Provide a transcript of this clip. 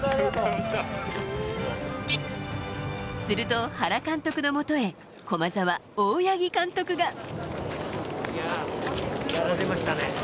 すると、原監督のもとへ駒澤・大八木監督が。